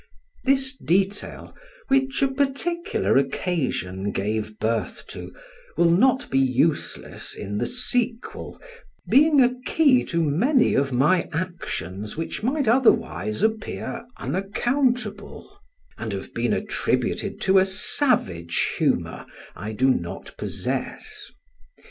This detail, which a particular occasion gave birth to, will not be useless in the sequel, being a key to many of my actions which might otherwise appear unaccountable; and have been attributed to a savage humor I do not possess.